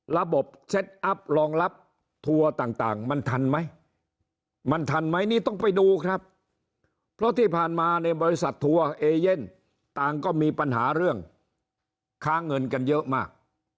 ระบบเซ็ตอัพรองรับทัวร์ต่างมันทันไหมมันทันไหมนี่ต้องไปดูครับเพราะที่ผ่านมาในบริษัททัวร์เอเย่นต่างก็มีปัญหาเรื่องค้าเงินกันเยอะมาก